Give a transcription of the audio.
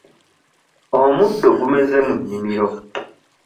Omuddo gumeze mu nnimiro.